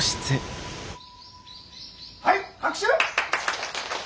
はい拍手！